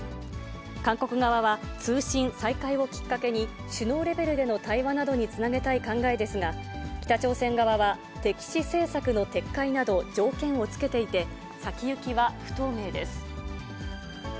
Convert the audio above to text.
韓国側は、通信再開をきっかけに、首脳レベルでの対話などにつなげたい考えですが、北朝鮮側は、敵視政策の撤回など条件を付けていて、先行きは不透明です。